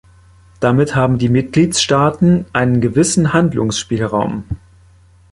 Damit haben die Mitgliedstaaten einen gewissen Handlungsspielraum.